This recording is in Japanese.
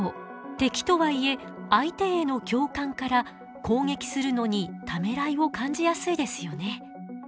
敵とはいえ相手への共感から攻撃するのにためらいを感じやすいですよね。